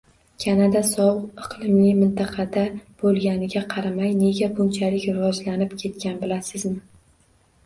Kanada sovuq iqlimli mintaqada boʻlganiga qaramay nega bunchalik rivojlanib ketgan, bilasizmi?